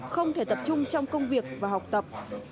không thể tập trung trong công việc và học tập